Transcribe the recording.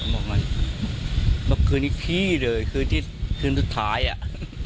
บอกนั่นบอกขึ้นที่คี่เลยคือที่คืนสุดท้ายอ่ะ